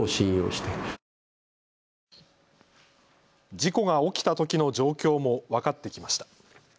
事故が起きたときの状況も分かってきました。